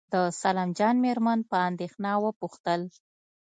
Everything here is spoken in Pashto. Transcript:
د سلام جان مېرمن په اندېښنه وپوښتل.